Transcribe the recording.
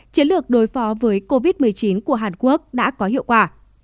chiến lược đối phó với covid một mươi chín của hàn quốc đã có hiệu quả